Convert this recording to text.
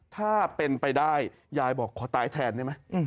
ถ้าเป็นไปได้ยายบอกขอตายแทนได้ไหม